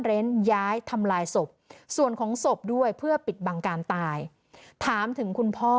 เพราะว่าคนร้ายเนี่ยบางทีเนี่ย